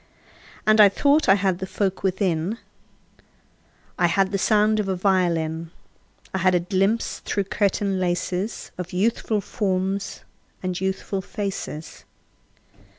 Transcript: And I thought I had the folk within: I had the sound of a violin; I had a glimpse through curtain laces Of youthful forms and youthful faces.